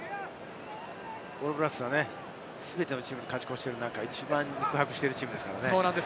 オールブラックスは全てのチームに勝ち越している中、一番肉薄しているチームですからね。